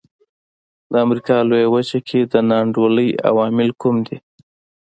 د امریکا لویه وچه کې د نا انډولۍ عوامل کوم دي.